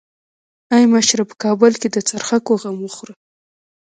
ای مشره په کابل کې د څرخکو غم وخوره.